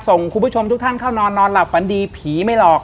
คุณผู้ชมทุกท่านเข้านอนนอนหลับฝันดีผีไม่หลอก